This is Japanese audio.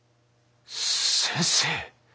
先生。